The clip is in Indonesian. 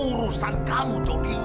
urusan kamu cogi